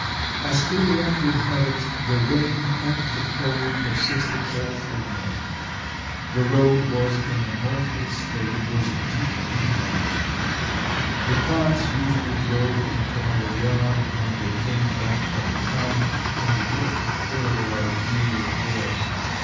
As ill luck would have it, the rain and the cold persisted all through May. The road was in an awful state: it was deep in mud. The carts usually drove into our yard when they came back from the town and what a horrible ordeal it was.